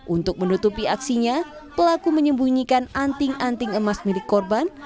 untuk menutupi aksinya pelaku menyembunyikan anting anting emas milik korban